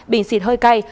bình xịt hơi cay